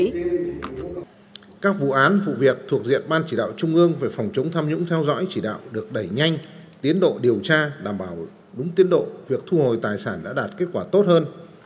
các vụ án vụ việc thuộc diện ban chỉ đạo trung ương về phòng chống tham nhũng theo dõi chỉ đạo được đẩy nhanh tiến độ điều tra đảm bảo đúng tiến độ việc thu hồi tài sản đã đạt kết quả tốt hơn